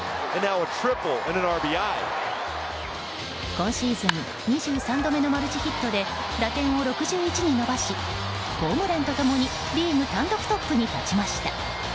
今シーズン２３度目のマルチヒットで打点を６１に伸ばしホームランと共にリーグ単独トップに立ちました。